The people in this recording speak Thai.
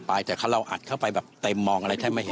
ไปแต่เราอัดเข้าไปแบบเต็มมองอะไรแทบไม่เห็น